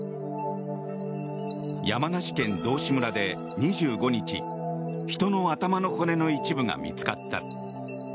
山梨県道志村で２５日人の頭の骨の一部が見つかった。